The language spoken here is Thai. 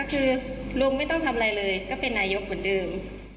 คือลุงไม่ต้องทำอะไรเลยก็เป็นนายกเหมือนเดิม